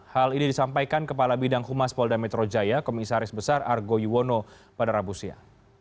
hal ini disampaikan kepala bidang humas polda metro jaya komisaris besar argo yuwono pada rabu siang